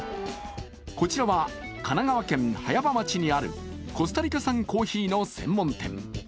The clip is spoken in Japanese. こちらは神奈川県葉山町にあるコスタリカコーヒーの専門店。